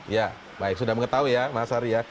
ya baik sudah mengetahui ya mas ari ya